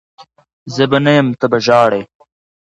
زه به نه یم ته به ژهړي